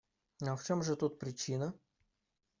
Ну а в чем же тут причина?